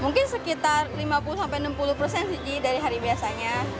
mungkin sekitar lima puluh sampai enam puluh persen sih dari hari biasanya